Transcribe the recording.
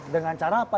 dengan cara apa